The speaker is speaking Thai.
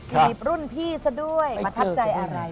ถีบรุ่นพี่ซะด้วยประทับใจอะไร